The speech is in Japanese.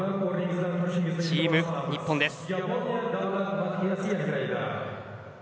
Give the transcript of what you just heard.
チーム日本です。